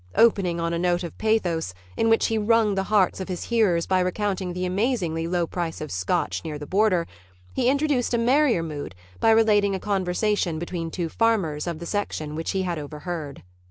Opening on a note of pathos, in which he wrung the hearts of his hearers by recounting the amazingly low price of Scotch near the border, he introduced a merrier mood by relating a conversation between two farmers of the section which he had overheard.